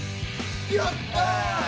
やった！